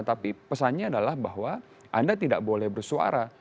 tapi pesannya adalah bahwa anda tidak boleh bersuara